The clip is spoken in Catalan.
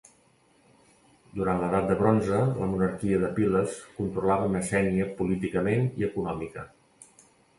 Durant l'edat de bronze la monarquia de Piles controlava Messènia políticament i econòmica.